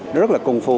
đó rất là công phu